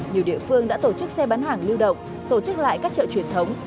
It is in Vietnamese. nhiều địa phương đã tổ chức xe bán hàng lưu động tổ chức lại các chợ truyền thống